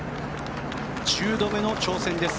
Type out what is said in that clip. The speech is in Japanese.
１０度目の挑戦です。